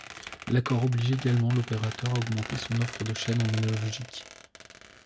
L'accord oblige également l'opérateur a augmenter son offre de chaîne en analogique.